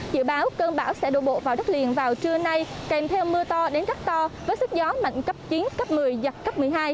dự báo cơn bão sẽ đổ bộ vào đất liền vào trưa nay kèm theo mưa to đến rất to với sức gió mạnh cấp chín cấp một mươi giật cấp một mươi hai